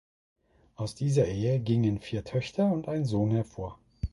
Aus dieser Ehe gingen vier Töchter und ein Sohn hervor.